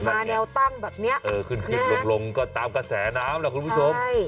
แนวตั้งแบบเนี้ยเออขึ้นขึ้นลงลงก็ตามกระแสน้ำล่ะคุณผู้ชม